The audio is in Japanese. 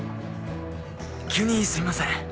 「急にすいません。